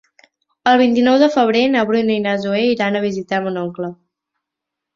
El vint-i-nou de febrer na Bruna i na Zoè iran a visitar mon oncle.